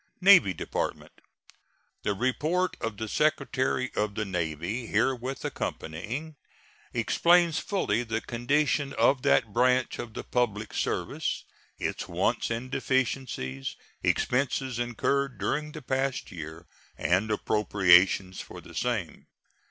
NAVY DEPARTMENT. The report of the Secretary of the Navy herewith accompanying explains fully the condition of that branch of the public service, its wants and deficiencies, expenses incurred during the past year, and appropriations for the same.